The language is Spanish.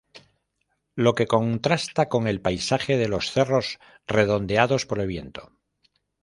Lo que contrasta con el paisaje de los cerros redondeados por el viento.